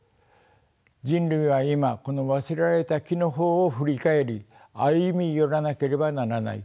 人類は今この忘れられた樹の方を振り返り歩み寄らなければならない。